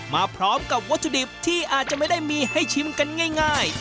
มาพร้อมกับวัตถุดิบที่อาจจะไม่ได้มีให้ชิมกันง่าย